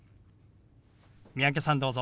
三宅さんどうぞ。